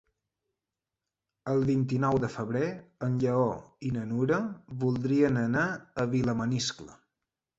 El vint-i-nou de febrer en Lleó i na Nura voldrien anar a Vilamaniscle.